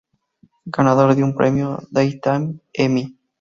Ganador de un Premio Daytime Emmy.